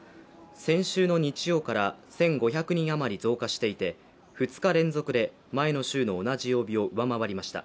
先週の日曜から１５００人余り増加していて２日連続で前の週の同じ曜日を上回りました。